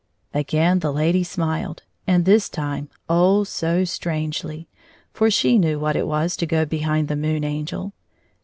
Again the lady smiled, and this time, oh, so strangely, for she lOO knew what it was to go behind the Moon Angel.